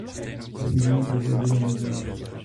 Jeho význam pro založení Musea.